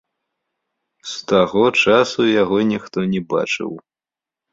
З таго часу яго ніхто не бачыў.